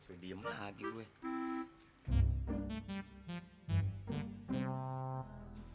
eh diam lagi weh